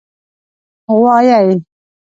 🐂 غوایی